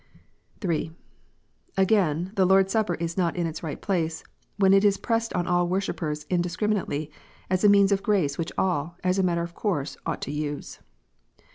(3) Again, the Lord s Supper is not in its right place, when it in pressed on all worshippers indiscriminately, as a means of grace which all, as a matter of course, ought to use.